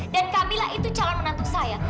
dan kamila itu calon menantu saya